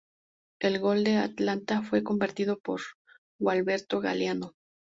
El gol de Atlanta fue convertido por Gualberto Galeano.